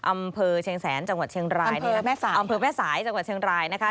อำเภอเชียงแสนจังหวัดเชียงรายอำเภอแม่สายจังหวัดเชียงรายนะคะ